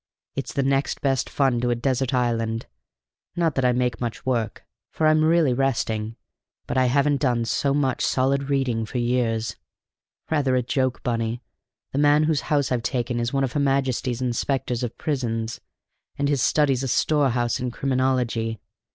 It's the next best fun to a desert island. Not that I make much work, for I'm really resting, but I haven't done so much solid reading for years. Rather a joke, Bunny: the man whose house I've taken is one of her Majesty's inspectors of prisons, and his study's a storehouse of criminology.